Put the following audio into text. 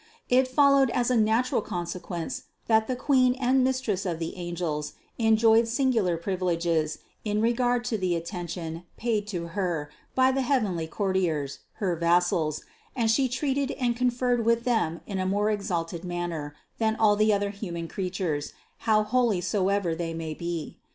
It followed as a natural consequence, that the Queen and Mistress of the angels enjoyed singular privileges in regard to the atten tion paid to Her by the heavenly courtiers, her vassals, and She treated and conferred with them in a more ex alted manner, than all the other human creatures, how holy so ever they may be.